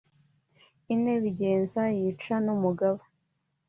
ine bigenza yica n umugaba